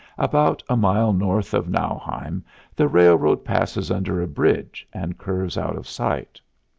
About a mile north of Nauheim the railroad passes under a bridge and curves out of sight.